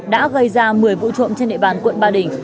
đã gây ra một mươi vụ trộm trên địa bàn quận ba đình